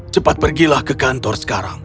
cepat pergilah ke kantor sekarang